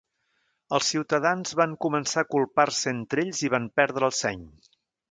Els ciutadans van començar a culpar-se entre ells i van perdre el seny.